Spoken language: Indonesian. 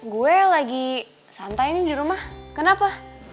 gue lagi santain di rumah kenapa